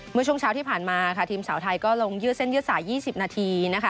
เมื่อช่วงเช้าที่ผ่านมาค่ะทีมสาวไทยก็ลงยืดเส้นยืดสาย๒๐นาทีนะคะ